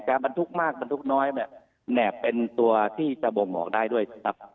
แบบบันทุกข์มากบันทุกข์น้อยแบบแนบเป็นตัวที่จะบ่งออกได้ด้วยครับ